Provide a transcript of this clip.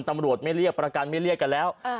ตำรวจไม่เรียกประกันไม่เรียกกันแล้ว